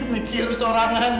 mikir seorangan mana